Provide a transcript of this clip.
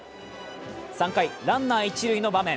３回、ランナー一塁の場面。